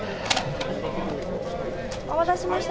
お待たせしました。